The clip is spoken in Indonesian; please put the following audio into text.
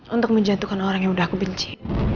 untuk menjatuhkan orang yang udah aku benci